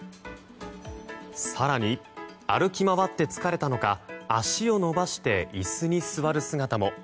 更に、歩き回って疲れたのか椅子に足を伸ばして座る姿も。